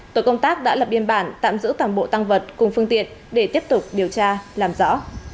tổ công tác đã lập biên bản tạm giữ toàn bộ tăng vật cùng phương tiện để tiếp tục điều tra làm rõ